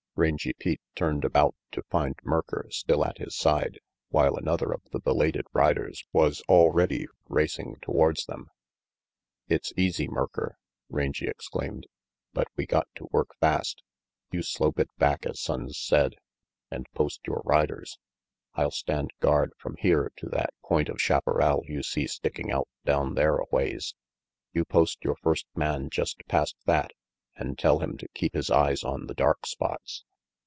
Rangy Pete turned about to find Merker still at his side, while another of the belated riders was already racing towards them. "It's easy, Merker," Rangy exclaimed, "but we got to work fast. You slope it back as Sonnes said, and post your riders. I'll stand guard from here to that point of chaparral you see sticking out down there a ways. You post your first man just past that, and tell him to keep his eyes on the dark spots.